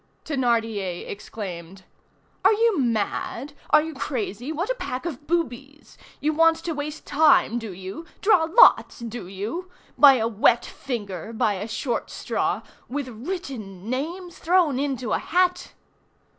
Thénardier exclaimed:— "Are you mad! Are you crazy! What a pack of boobies! You want to waste time, do you? Draw lots, do you? By a wet finger, by a short straw! With written names! Thrown into a hat!